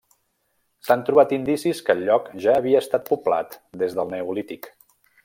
S'han trobat indicis que el lloc ja havia estat poblat des del Neolític.